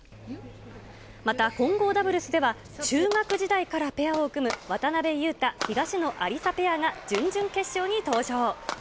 また、混合ダブルスでは、中学時代からペアを組む渡辺勇大・東野有紗ペアが準々決勝に登場。